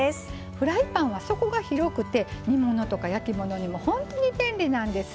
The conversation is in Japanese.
フライパンは底が広くて煮物とか焼き物にも本当に便利なんです。